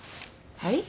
はい？